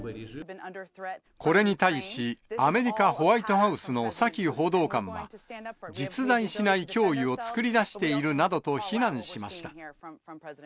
これに対しアメリカ・ホワイトハウスのサキ報道官は、実在しない脅威を作り出しているなどと非難しました。